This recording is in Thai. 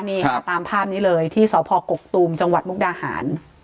นี่ค่ะตามภาพนี้เลยที่สพกกตูมจังหวัดมุกดาหาร